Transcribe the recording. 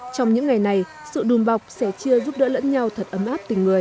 trong những ngày này sự đùm bọc sẻ chia giúp đỡ lẫn nhau thật ấm áp tình người